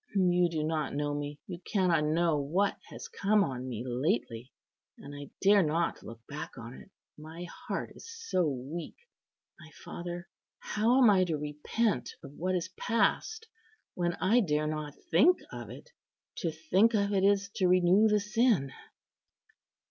You do not know me; you cannot know what has come on me lately. And I dare not look back on it, my heart is so weak. My father, how am I to repent of what is past, when I dare not think of it? To think of it is to renew the sin."